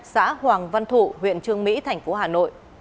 xã hoàng văn thụ huyện trương mỹ thành phố hà nội